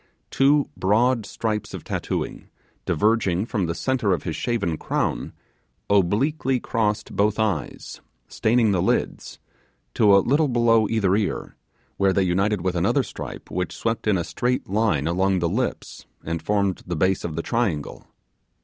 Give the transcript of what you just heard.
Two broad stripes of tattooing, diverging from the centre of his shaven crown, obliquely crossed both eyes staining the lids to a little below each ear, where they united with another stripe which swept in a straight line along the lips and formed the base of the triangle.